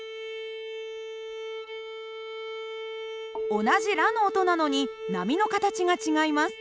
同じラの音なのに波の形が違います。